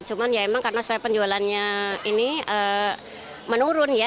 cuman ya emang karena saya penjualannya ini menurun ya